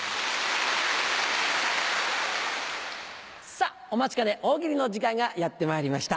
さぁお待ちかね大喜利の時間がやってまいりました。